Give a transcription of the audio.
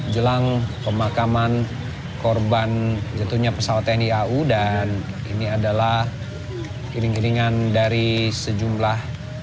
jelang pemakaman korban jatuhnya pesawat tni au dan ini adalah iring iringan dari sejumlah